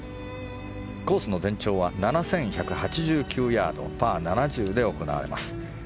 コースの全長は７１８９ヤードパー７０で行われます。